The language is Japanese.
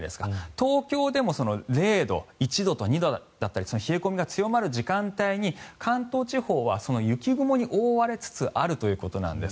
東京でも０度、１度、２度だったり冷え込みが強まる時間帯に関東地方は雪雲に覆われつつあるということです。